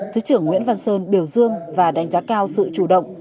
thứ trưởng nguyễn văn sơn biểu dương và đánh giá cao sự chủ động